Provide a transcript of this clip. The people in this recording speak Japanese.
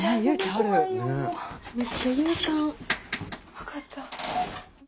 分かった。